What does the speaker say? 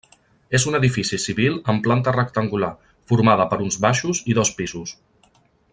És un edifici civil amb planta rectangular, formada per uns baixos i dos pisos.